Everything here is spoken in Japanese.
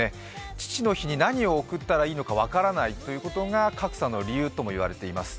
父の日に何を贈ったらいいのか分からないということが格差の理由とも言われています。